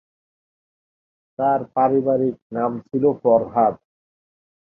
তার পারিবারিক নাম ছিল ফরহাদ।